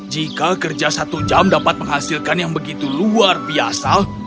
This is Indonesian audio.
jika kerja satu jam dapat menghasilkan yang begitu luar biasa